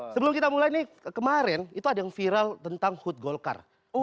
sebelum kita mulai nih kemarin itu ada yang viral tentang hut golkar